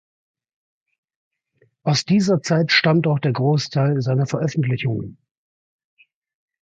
Aus dieser Zeit stammt auch der Großteil seiner Veröffentlichungen.